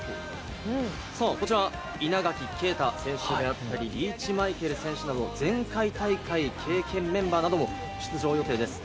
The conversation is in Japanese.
稲垣啓太選手であったりリーチマイケル選手など前回大会経験メンバーなども出場予定です。